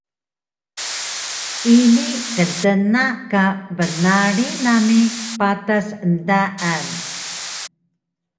Ini ktna ka bnarig nami patas endaan